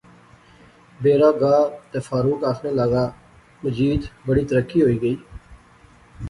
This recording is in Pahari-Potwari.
بیرا گا تے فاروق آخنے لاغا مجید بڑی ترقی ہوئی گئی